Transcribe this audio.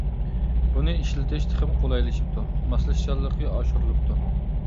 بۇنى ئىشلىتىش تېخىمۇ قولايلىشىپتۇ، ماسلىشىشچانلىقى ئاشۇرۇلۇپتۇ.